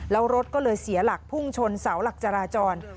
แล้วรถก็เลยเสียหลักพุ่งชนเสาหลักจราจร